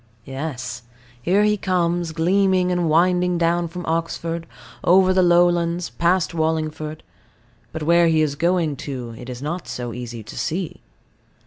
Yes. Here he comes, gleaming and winding down from Oxford, over the lowlands, past Wallingford; but where he is going to it is not so easy to see.